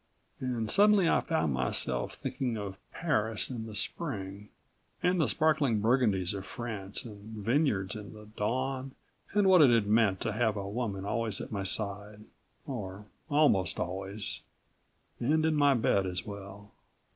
And suddenly I found myself thinking of Paris in the Spring, and the sparkling Burgundies of France and vineyards in the dawn and what it had meant to have a woman always at my side or almost always and in my bed as well.